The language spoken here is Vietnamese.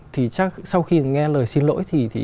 thì chắc sau khi nghe lời xin lỗi thì